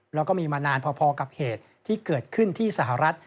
แล้วก็มีมานานพอกับเหตุที่เกิดขึ้นที่สหรัฐ